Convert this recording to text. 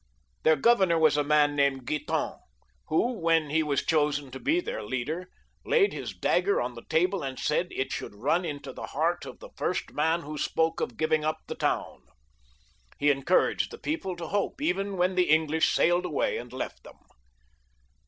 Their governor was a man named Guiton, who, when he was chosen to be their leader, laid his dagger on the table and said that it should run into 324 LOUIS XIIL [cH. the heart of the first man who spoke of giving up the town. He enc6nraged the people to hope even when the English sailed away and, left them.